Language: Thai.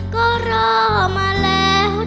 ก็รอมาแล้ว